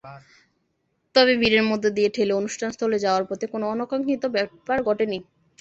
তবে ভিড়ের মধ্য দিয়ে ঠেলে অনুষ্ঠানস্থলে যাওয়ার পথে কোনো অনাকাঙ্ক্ষিত ব্যাপার ঘটেনি।